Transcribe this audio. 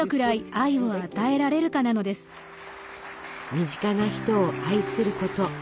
身近な人を愛すること